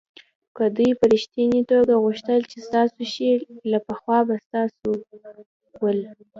که دوی په ریښتني توگه غوښتل چې ستاسو شي له پخوا به ستاسو ول.